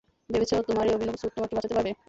ভেবেছ, তোমার এই অভিনব স্যুট তোমাকে বাঁচাতে পারবে?